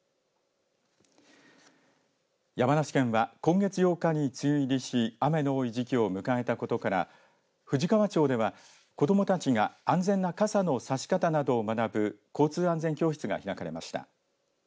山梨県は今月８日に梅雨入りし雨の多い時期を迎えたことから富士川町では子どもたちが安全な傘の差し方などを学ぶ交通安全教室が開かれました。